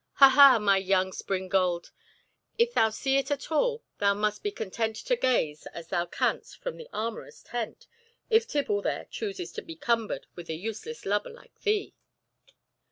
Ha! ha! my young springald, if thou see it at all, thou must be content to gaze as thou canst from the armourers' tent, if Tibble there chooses to be cumbered with a useless lubber like thee."